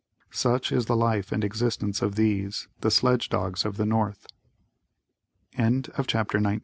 Such is the life and existence of these, the sledge dogs of the north. PART IV.